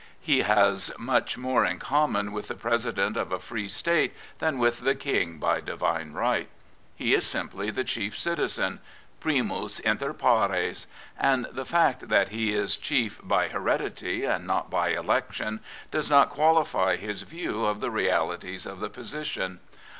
He has much more in common with the President of a free State than with the King by Divine right. He is simply the chief citizen, primus inter pares, and the fact that he is chief by heredity and not by election does not qualify bis view of the realities of the position.